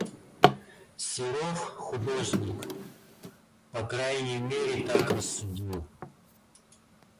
Серов, художник, по крайней мере, так рассудил...